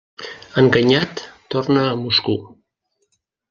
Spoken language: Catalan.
Enganyat, torna a Moscou.